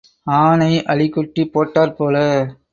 ஆனை அழிகுட்டி போட்டாற் போல.